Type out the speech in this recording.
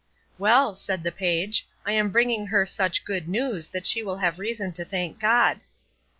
"Well," said the page, "I am bringing her such good news that she will have reason to thank God."